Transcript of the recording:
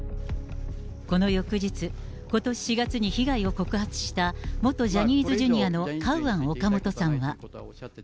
この翌日、ことし４月に被害を告発した元ジャニーズＪｒ．のカウアン・オカモトさんは。